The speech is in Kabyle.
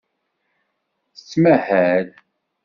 Tettmahal.